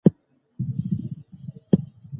راتلونکی نسل به دغو قوانینو ته اړتیا ولري.